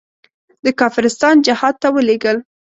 د کافرستان جهاد ته ولېږل.